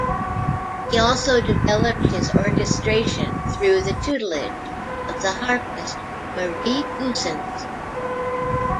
He also developed his orchestration through the tutelage of the harpist Marie Goossens.